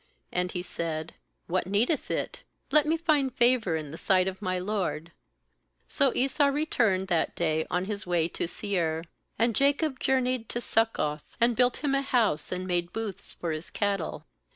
And he said: 'What needeth it? let me find favour in the sight of my lord.' 16So Esau returned that day on his way unto Seu:. 17And Jacob journeyed to Suc coth, and built him a house, and made booths for his cattle.